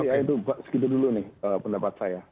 ya itu segitu dulu nih pendapat saya